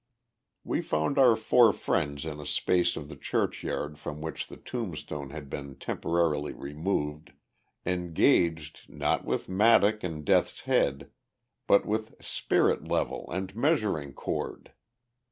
We found our four friends in a space of the churchyard from which the tombstones had been temporarily removed, engaged, not with mattock and death's head, but with spirit level and measuring cord.